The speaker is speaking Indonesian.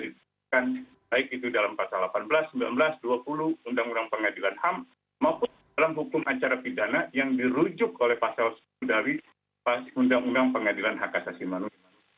itu dalam pasal delapan belas sembilan belas dua puluh undang undang pengadilan ham maupun dalam hukum acara pidana yang dirujuk oleh pasal sepuluh dari undang undang pengadilan hak asasi manusia